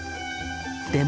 でも。